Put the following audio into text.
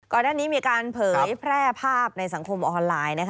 ก่อนหน้านี้มีการเผยแพร่ภาพในสังคมออนไลน์